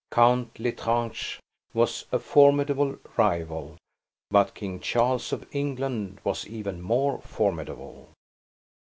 Count L'Estrange was a formidable rival, but King Charles of England was even more formidable.